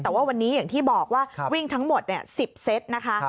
แต่ว่าวันนี้อย่างที่บอกว่าวิ่งทั้งหมด๑๐เซตนะคะ